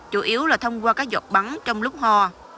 chủ yếu là thông qua các giọt bắn trong lúc ho